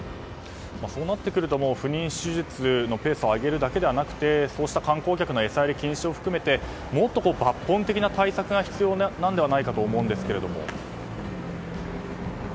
そうなってくると不妊手術のペースを上げるだけではなくて観光客の餌やり禁止を含めてもっと抜本的な対策が必要なのではと思うんですが。